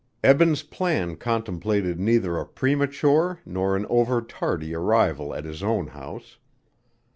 Eben's plan contemplated neither a premature nor an over tardy arrival at his own house.